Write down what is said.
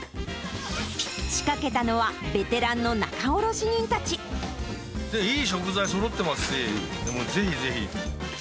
仕掛けたのは、いい食材そろってますし、もうぜひぜひ！